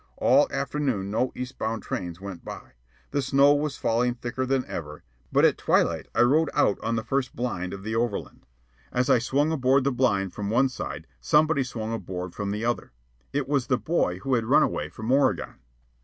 All afternoon no east bound trains went by. The snow was falling thicker than ever, but at twilight I rode out on the first blind of the overland. As I swung aboard the blind from one side, somebody swung aboard from the other. It was the boy who had run away from Oregon.